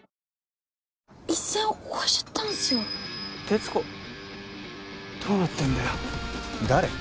鉄子どうなってんだよ誰？